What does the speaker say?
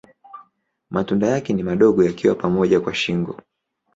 Matunda yake ni madogo yakiwa pamoja kwa shingo.